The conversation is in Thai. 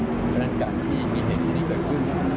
เพราะฉะนั้นการที่มีเหตุชนิดเกิดขึ้น